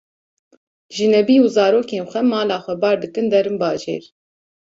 Jinebî û zarokên xwe mala xwe bar dikin derin bajêr